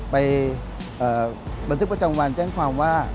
บันทึกประจำวันแจ้งความว่า